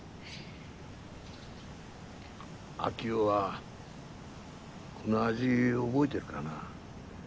秋生はこの味覚えてるかな？